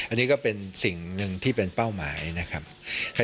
อันนี้ก็เป็นสิ่งหนึ่งที่เป็นเป้าหมายนะครับ